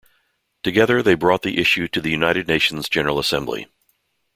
Together, they brought the issue to the United Nations General Assembly.